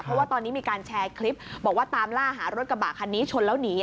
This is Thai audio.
เพราะว่าตอนนี้มีการแชร์คลิปบอกว่าตามล่าหารถกระบะคันนี้ชนแล้วหนี